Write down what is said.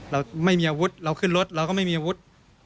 เราไม่มีอาวุธเราขึ้นรถเราก็ไม่มีอาวุธ